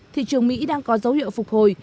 thị trường mỹ đang có dấu hiệu phục hồi